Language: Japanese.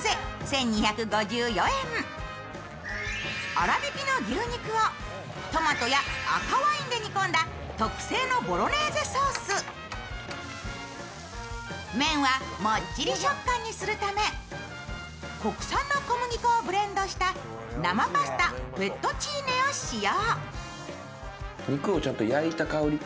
粗びきの牛肉をトマトや赤ワインで煮込んだ麺はもっちり食感にするため国産の小麦粉をブレンドした生パスタ、フェットチーネを使用。